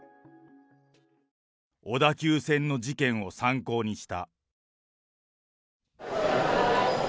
小田急線の事件を参考にした。